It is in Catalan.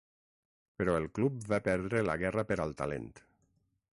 “Però el club va perdre la ‘guerra per al talent’”.